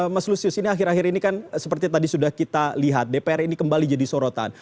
mas lusius ini akhir akhir ini kan seperti tadi sudah kita lihat dpr ini kembali jadi sorotan